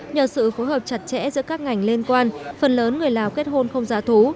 nhờ sự phối hợp chặt chẽ giữa các ngành liên quan phần lớn người lào kết hôn không giá thú